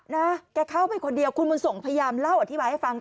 นะแกเข้าไปคนเดียวคุณบุญส่งพยายามเล่าอธิบายให้ฟัง